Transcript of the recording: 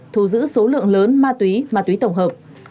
thu giữ số lượng lớn ma túy ma túy tổng hợp